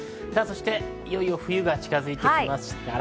いよいよ冬が近づいてきました。